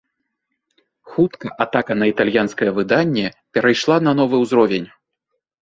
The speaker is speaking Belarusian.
Хутка атака на італьянскае выданне перайшла на новы ўзровень.